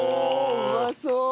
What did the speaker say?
うまそう。